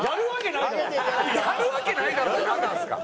「やるわけないだろ」ってなんなんすか？